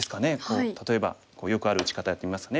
例えばよくある打ち方やってみますね。